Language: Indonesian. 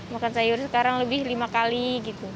makan sayur sekarang lebih lima kali gitu